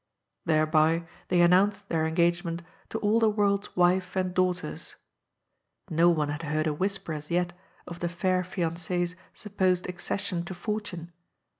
Thereby they announced their BLANK. 165 engagement to all the world's wife and daughters. No one had heard a whisper as yet of the fair fiancee's supposed accession to fortune.